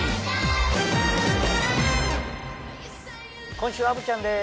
今週は虻ちゃんです